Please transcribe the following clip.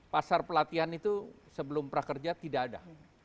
pasar pelatihan itu sebelum prakerja tidak ada